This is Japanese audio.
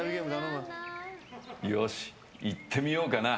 よし、いってみようかな。